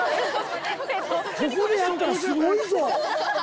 ここでやったらすごいぞ！